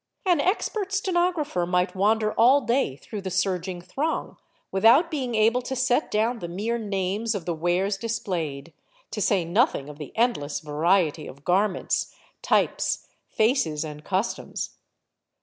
An expert stenographer might wander all day through the surging throng without being able to set down the mere names of the wares displayed, to say nothing of the endless variety of garments, types, faces, and customs.